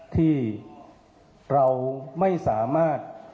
ที่เราไม่สามารถ